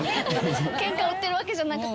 ケンカ売ってるわけじゃなくて。